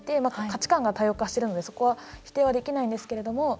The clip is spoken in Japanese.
価値観が多様化しているのでそこは否定はできないんですけれども。